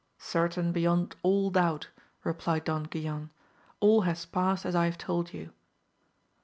Certain beyond all doubt, replied Don Guilan, all has passed as I have told you.